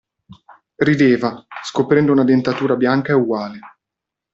Rideva, scoprendo una dentatura bianca e uguale.